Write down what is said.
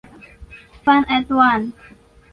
Fun At One!